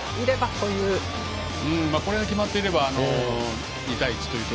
これが決まっていればという。